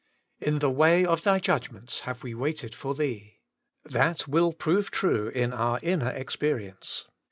*In the way of Thy judgments, have we waited for Thee.' That will prove true in our inner experience.